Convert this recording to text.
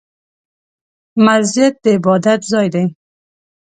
مسجد د عبادت ځای دی